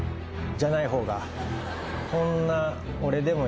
「じゃない方」